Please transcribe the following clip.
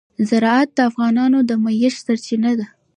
زراعت د افغانانو د معیشت سرچینه ده.